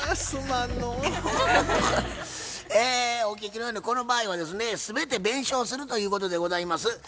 お聞きのようにこの場合はですね全て弁償するということでございます。